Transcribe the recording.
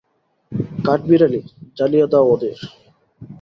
কাঠবিড়ালি, জ্বালিয়ে দাও ওদের।